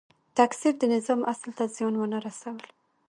تکثیر د نظام اصل ته زیان ونه رسول.